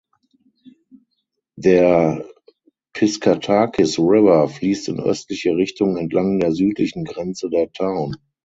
Der Piscataquis River fließt in östliche Richtung entlang der südlichen Grenze der Town.